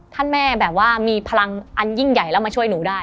ถ้าแม่แบบว่ามีพลังอันยิ่งใหญ่แล้วมาช่วยหนูได้